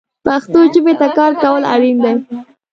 پښتو ژبې ته کار کول اړین دي